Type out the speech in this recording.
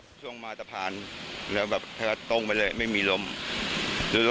บ้าวตามเขียวอะแต่ห่วงเรามันแตก